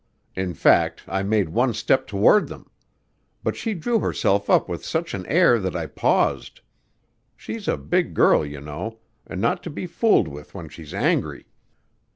In fact, I made one step toward them. But she drew herself up with such an air that I paused. She's a big girl, you know, and not to be fooled with when she's angry.